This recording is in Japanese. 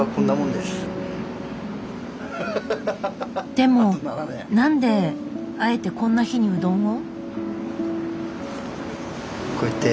でも何であえてこんな日にうどんを？